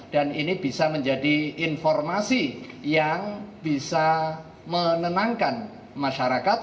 dan ini bisa menjadi informasi yang bisa menenangkan masyarakat